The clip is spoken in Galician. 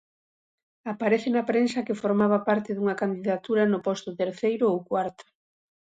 Aparece na prensa que formaba parte dunha candidatura no posto terceiro ou cuarto.